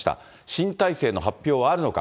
新体制の発表はあるのか。